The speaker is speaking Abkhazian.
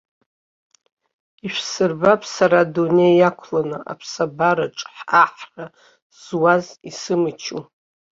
Ишәсырбап сара адунеи иақәланы, аԥсабараҿы аҳра зуаз исымчу.